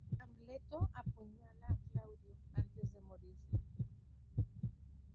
Amleto apuñala a Claudio, antes de morir.